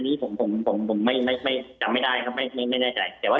นี้ผมจำไม่ได้ครับไม่แน่ใจ